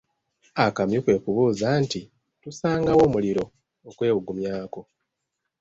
Akamyu kwe kubuuza nti, tusanga wa omuliro okwebugumyako?